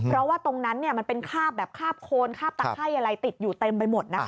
เพราะว่าตรงนั้นมันเป็นข้าวแบบข้าวโค้นข้าวตะไข้ติดอยู่เต็มไปหมด